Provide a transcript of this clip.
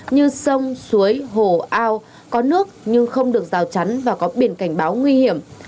như sông suối hồ ao có nước nhưng không được rào chắn và có biển cảnh báo nguy hiểm